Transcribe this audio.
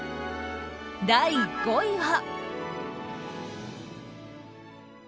第５位は。